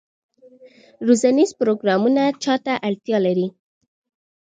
روزنیز پروګرامونه چا ته اړتیا دي؟